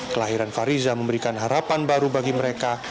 kelahiran fariza memberikan harapan baru bagi mereka